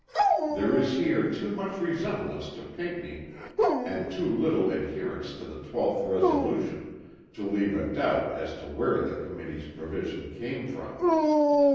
There is here too much resemblance to Pinckney and too little adherence to the 12th resolution to leave a doubt as to where the Committee's provision came from.